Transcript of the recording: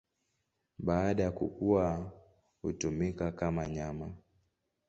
Baada ya kukua hutumika kama nyama.